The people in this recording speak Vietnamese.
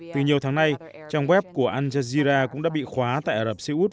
từ nhiều tháng nay trang web của al jazeera cũng đã bị khóa tại ả rập xê út